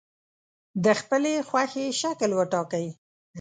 د خپلې خوښې شکل وټاکئ.